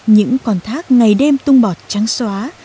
những con thác ngày đêm tung bọt trắng xóa